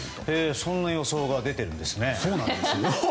へえそんな予想が出てるんですね。